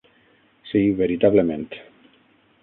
Sí, veritablement.